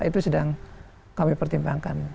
itu sedang kami pertimbangkan